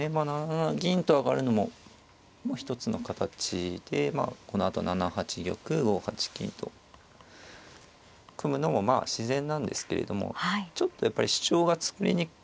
７七銀と上がるのも一つの形でこのあと７八玉５八金と組むのもまあ自然なんですけれどもちょっとやっぱり主張が作りにく。